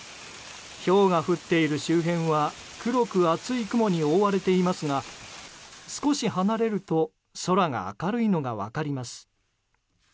ひょうが降っている周辺は黒く厚い雲に覆われていますが少し離れると空が明るいのが分かります。